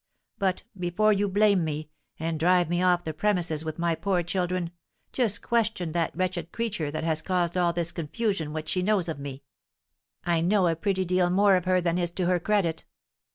But, before you blame me, and drive me off the premises with my poor children, just question that wretched creature that has caused all this confusion what she knows of me. I know a pretty deal more of her than is to her credit!"